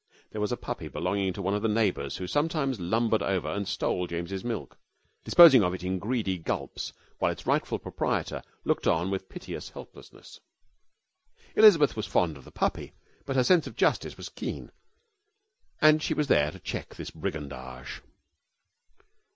There was a puppy belonging to one of the neighbours who sometimes lumbered over and stole James's milk, disposing of it in greedy gulps while its rightful proprietor looked on with piteous helplessness. Elizabeth was fond of the puppy, but her sense of justice was keen and she was there to check this brigandage.